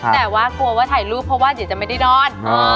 แต่ว่ากลัวว่าถ่ายรูปเพราะว่าเดี๋ยวจะไม่ได้นอน